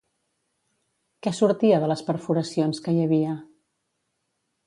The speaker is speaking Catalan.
Què sortia de les perforacions que hi havia?